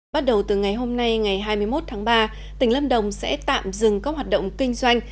bắt đầu từ ngày hôm nay ngày hai mươi một tháng ba tỉnh lâm đồng sẽ tạm dừng các hoạt động kinh doanh